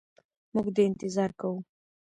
موږ دي انتظار کوو.